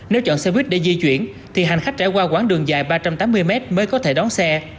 nếu chọn xe buýt để di chuyển thì hành khách trải qua quãng đường dài ba trăm tám mươi mét mới có thể đón xe